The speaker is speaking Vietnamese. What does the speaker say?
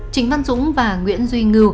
trịnh văn dũng và nguyễn duy